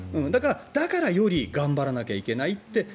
だからより頑張らなきゃいけないって。